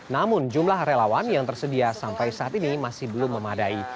namun jumlah relawan yang tersedia sampai saat ini masih belum memadai